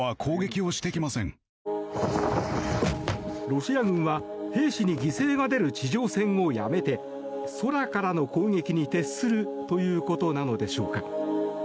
ロシア軍は兵士に犠牲が出る地上戦をやめて空からの攻撃に徹するということなのでしょうか。